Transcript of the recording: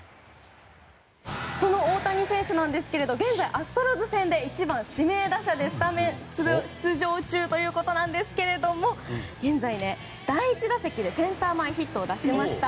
その大谷選手なんですけれど現在アストロズ戦で１番指名打者でスタメン出場中ということなんですが第１打席でセンター前ヒットを出しました。